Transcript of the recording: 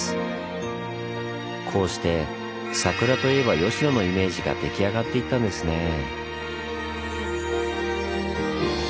こうして「桜といえば吉野」のイメージが出来上がっていったんですねぇ。